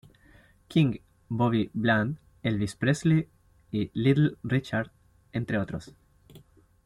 King, Bobby Bland, Elvis Presley y Little Richard, entre otros.